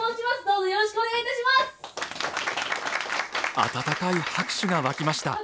温かい拍手が湧きました。